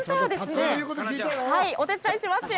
お手伝いしますよ。